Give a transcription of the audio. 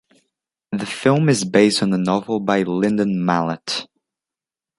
The film is based on a novel by Lyndon Mallet.